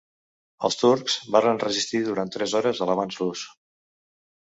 Els turcs varen resistir durant tres hores a l'avanç rus.